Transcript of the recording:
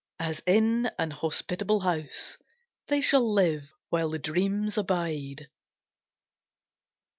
As in an hospitable house, They shall live while the dreams abide.